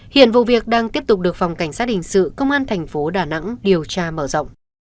hiện vụ việc đang tiếp tục được phòng cảnh sát hình sự công an thành phố đà nẵng điều tra mở rộng